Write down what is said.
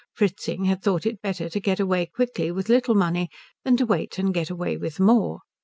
Fritzing had thought it better to get away quickly with little money than to wait and get away with more.